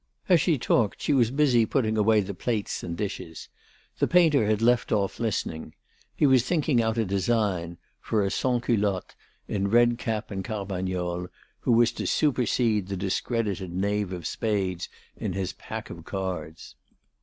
As she talked, she was busy putting away the plates and dishes. The painter had left off listening. He was thinking out a design, for a sansculotte, in red cap and carmagnole, who was to supersede the discredited knave of spades in his pack of cards.